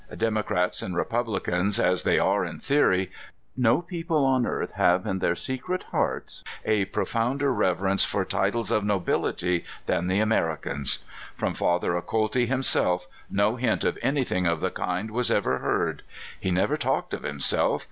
Dem ocrats and Republicans as they are in theory, no people on earth have in their secret hearts a pro founder reverence for titles of nobility than the Americans. From Fatlier Acolti liimself no hint of anything of the kind was ever heard. He never talked of himself.